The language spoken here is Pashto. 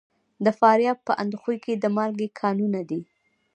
د فاریاب په اندخوی کې د مالګې کانونه دي.